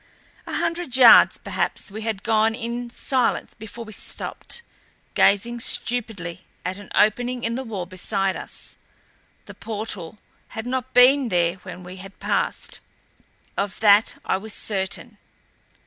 A hundred yards, perhaps, we had gone in silence before we stopped, gazing stupidly at an opening in the wall beside us. The portal had not been there when we had passed of that I was certain.